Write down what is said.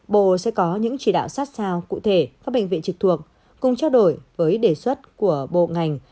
bộ sẽ có những chỉ đạo sát sao cụ thể các bệnh viện trực thuộc cùng trao đổi với đề xuất của bộ ngành